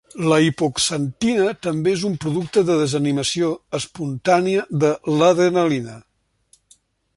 La hipoxantina també és un producte de desaminació espontània de l'adrenalina.